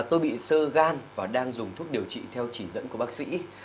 tôi bị sơ gan và đang dùng thuốc điều trị theo chỉ dẫn của bác sĩ